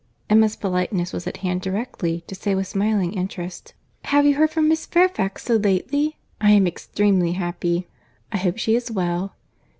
'" Emma's politeness was at hand directly, to say, with smiling interest— "Have you heard from Miss Fairfax so lately? I am extremely happy. I hope she is well?"